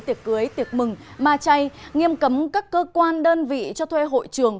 tiệc cưới tiệc mừng mà chay nghiêm cấm các cơ quan đơn vị cho thuê hội trường